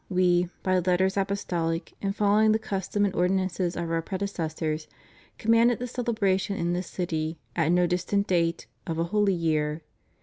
We, by letters apostolic, and following the custom and ordinances of Our predecessors, commanded the celebration in this city, at no distant date, of a Holy Year.